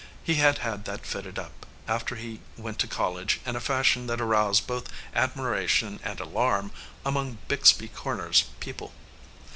He had had that fitted up, after he went to college, in a fashion that aroused both admiration and alarm among Bixby Corners people.